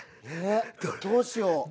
えっどうしよう。